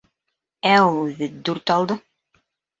Ә ул үҙе дүрт алды!..